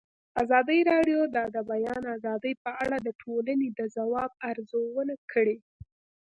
ازادي راډیو د د بیان آزادي په اړه د ټولنې د ځواب ارزونه کړې.